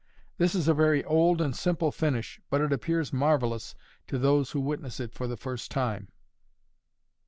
This is a very old and simple finish, but it appears marvellous to those who witness it for the first time.